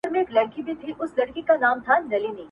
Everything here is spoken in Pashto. دا جاهل او دا کم ذاته دا کم اصله,